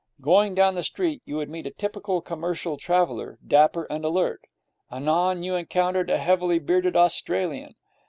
Going down the street, you would meet a typical commercial traveller, dapper and alert. Anon, you encountered a heavily bearded Australian.